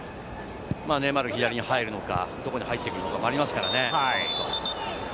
ネイマール、左に入るのか、どこに入ってくるのか？というのがありますからね。